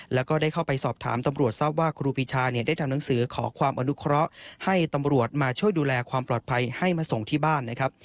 แล้วก็ได้เข้าไปสอบถามตำรวจทราบว่าครูปีชาเนี่ยได้ทำหนังสือขอความอนุเคราะห์ให้ตำรวจมาช่วยดูแลความปลอดภัยให้มาส่งที่บ้านนะครับ